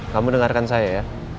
kamu dengarkan saya ya